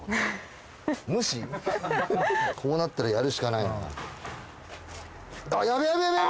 こうなったらやるしかないよな。